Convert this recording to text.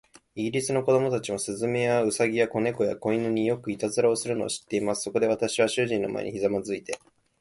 イギリスの子供たちも、雀や、兎や、小猫や、小犬に、よくいたずらをするのを知っています。そこで、私は主人の前にひざまずいて